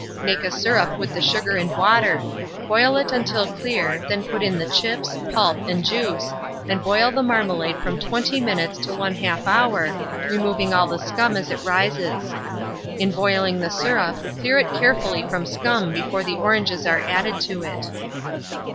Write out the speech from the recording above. Make a syrup with the sugar and water; boil it until clear; then put in the chips, pulp, and juice, and boil the marmalade from 20 minutes to 1/2 hour, removing all the scum as it rises. In boiling the syrup, clear it carefully from scum before the oranges are added to it.